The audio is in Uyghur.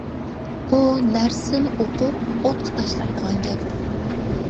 ئۇ نەرسىنى ئوقۇپ، ئوتقا تاشلايدىغان گەپ.